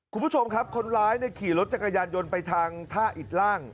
คุณผู้ชมครับคนร้ายขี่รถจักรยานยนต์ไปทางท่าอิดล่าง